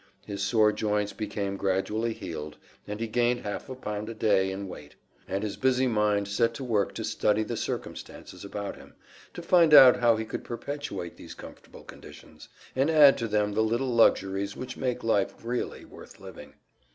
His sore joints became gradually healed, and he gained half a pound a day in weight, and his busy mind set to work to study the circumstances about him, to find out how he could perpetuate these comfortable conditions, and add to them the little luxuries which make life really worth living.